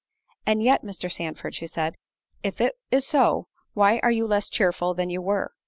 "And yet, Mr. Sandford," said she, "if it is so, why are you less cheerful than you were?